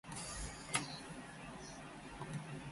こたつには悪魔がいる